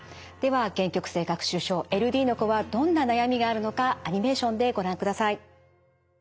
では限局性学習症ＬＤの子はどんな悩みがあるのかアニメーションでご覧ください。